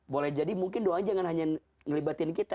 boleh jadi mungkin doa jangan hanya melibatkan kita